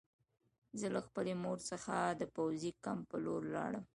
زه له خپلې مور څخه د پوځي کمپ په لور لاړم